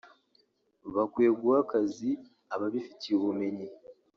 bakwiye guha ako kazi ababifitiye ubumenyi